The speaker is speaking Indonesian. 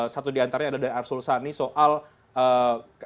satu diantaranya ada dari arsul sani soal dpr ri yang menunjukkan